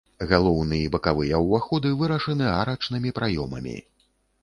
Галоўны і бакавыя ўваходы вырашаны арачнымі праёмамі.